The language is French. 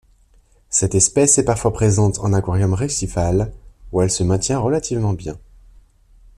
Cette espèce est parfois présente en aquarium récifal, où elle se maintient relativement bien.